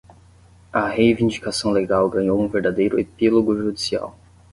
A reivindicação legal ganhou um verdadeiro epílogo judicial.